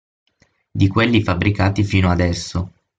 Di quelli fabbricati fino adesso.